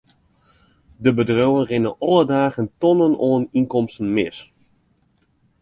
De bedriuwen rinne alle dagen tonnen oan ynkomsten mis.